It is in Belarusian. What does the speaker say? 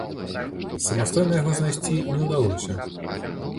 Самастойна яго знайсці не ўдалося.